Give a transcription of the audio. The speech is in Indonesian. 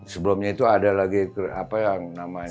sebelumnya itu ada lagi apa yang namanya